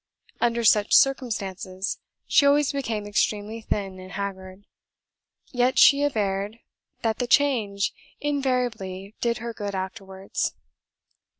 Under such circumstances, she always became extremely thin and haggard; yet she averred that the change invariably did her good afterwards.